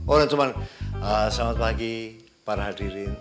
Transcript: oh dan cuman selamat pagi para hadirin